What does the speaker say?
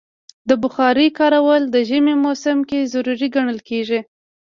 د بخارۍ کارول د ژمي موسم کې ضروری ګڼل کېږي.